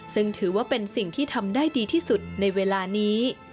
ซึ่งถือว่าเป็นสิ่งที่ทำได้ดีที่สุดในเวลานี้